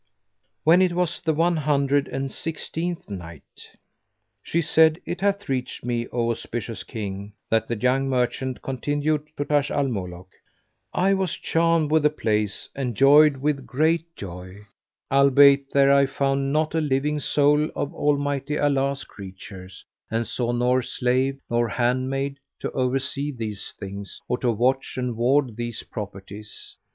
When it was the One Hundred and Sixteenth Night, She said, It hath reached me, O auspicious King, that the young merchant continued to Taj al Muluk: "I was charmed with the place and joyed with great joy albeit there I found not a living soul of Almighty Allah's creatures, and saw nor slave nor handmaid to oversee these things or to watch and ward these properties.